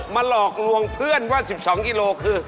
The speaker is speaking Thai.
หลอกลวงเพื่อนว่า๑๒กิโลคือ